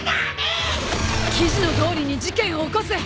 記事のとおりに事件を起こす。